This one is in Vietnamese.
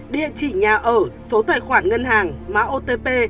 địa chỉ nhà ở số tài khoản ngân hàng mã otp